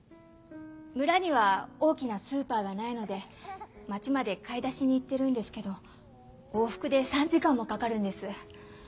村には大きなスーパーがないので町まで買い出しに行ってるんですけど往復で３時間もかかるんです。